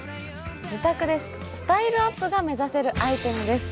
自宅でスタイルアップが目指せるアイテムです。